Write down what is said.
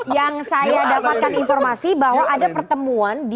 yang saya dapatkan informasi bahwa ada pertemuan di berlin